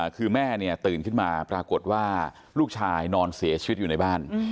คือแม่ตื่นขึ้นมาปรากฏว่าลูกชายนอนเสียชีวิตอยู่ในบ้าน